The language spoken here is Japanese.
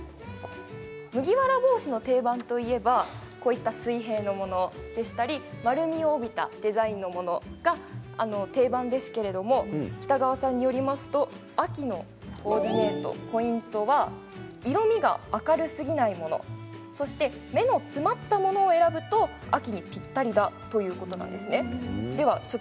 麦わら帽子の定番といえば水平のものでしたり丸みを帯びたデザインのものが定番ですけれども北川さんによりますと秋のコーディネートポイントは色みが明るすぎないもの、そして、目の詰まったものを選ぶと秋にぴったりだということなんですね。